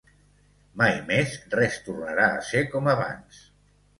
Mai més res tornarà a ser com abans.